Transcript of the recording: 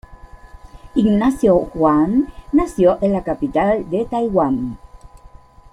Ignacio Huang nació en la capital de Taiwán.